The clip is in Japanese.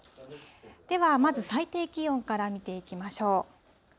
では、まず最低気温から見ていきましょう。